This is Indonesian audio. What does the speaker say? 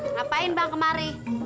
ngapain bang kemari